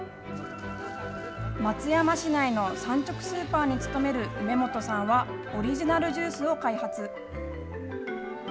松山市内の産直スーパーに勤める梅本さんは、オリジナルジュースを開発。